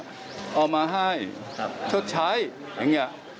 เอามาให้ทุกชายอย่างเงี้ย